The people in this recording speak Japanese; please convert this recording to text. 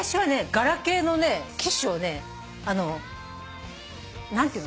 ガラケーの機種をね何ていうの？